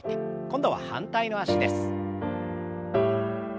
今度は反対の脚です。